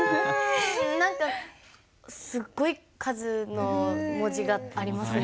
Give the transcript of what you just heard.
何かすごい数の文字がありますね。